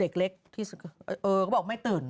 เด็กเล็กที่เขาบอกไม่ตื่น